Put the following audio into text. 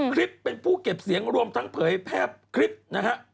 คลิปเป็นผู้เก็บเสียงรวมทั้งเผยแพร่คลิปนะฮะ